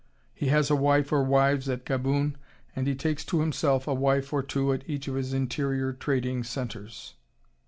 He has a wife or wives at Gaboon, and he takes to himself a wife or two at each of his interior trading centres....